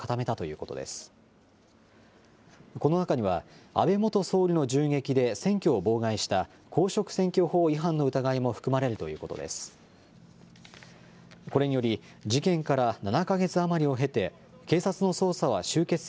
この中には、安倍元総理の銃撃で選挙を妨害した公職選挙法違反の疑いも含まれるということです。